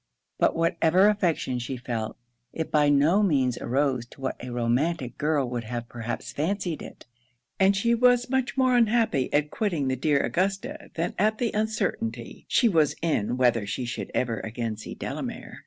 But whatever affection she felt, it by no means arose to what a romantic girl would have perhaps fancied it; and she was much more unhappy at quitting the dear Augusta than at the uncertainty she was in whether she should ever again see Delamere.